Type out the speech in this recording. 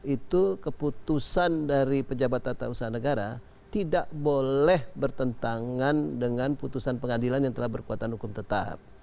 itu keputusan dari pejabat tata usaha negara tidak boleh bertentangan dengan putusan pengadilan yang telah berkuatan hukum tetap